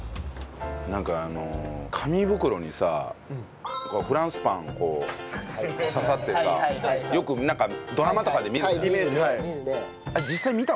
なんかあの紙袋にさフランスパンがこう差さってさよくなんかドラマとかで見るじゃない。